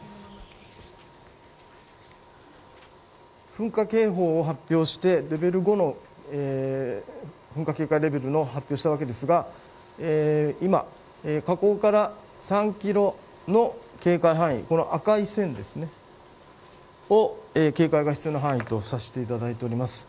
噴火警報を発表してレベル５の噴火警戒レベルを発表したわけですが今、火口から３ｋｍの警戒範囲、赤い線を警戒が必要な範囲とさせていただいております。